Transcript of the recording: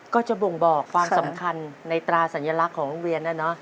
ก็จะบ่งบอกความสำคัญในตราสัญลักษณ์ของโรงเรียนนะเนอะ